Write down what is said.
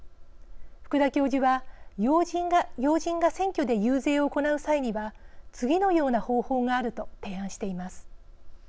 福田教授は要人が選挙で遊説を行う際には次のような方法があると提案しています。